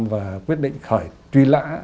và quyết định khởi truy lã